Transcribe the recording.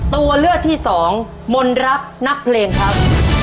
ตัวเลือกที่สองมนรักนักเพลงครับ